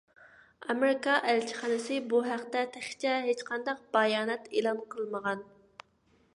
ئامېرىكا ئەلچىخانىسى بۇ ھەقتە تېخىچە ھېچقانداق بايانات ئېلان قىلمىغان.